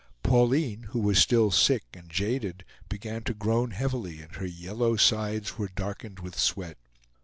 Pauline, who was still sick and jaded, began to groan heavily; and her yellow sides were darkened with sweat.